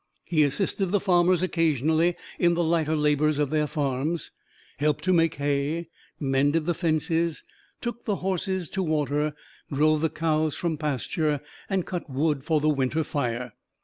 He assisted the farmers occasionally in the lighter labors of their farms; helped to make hay; mended the fences; took the horses to water; drove the cows from pasture, and cut wood for the winter fire.